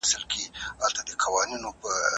زه کتابونه نه وړم!؟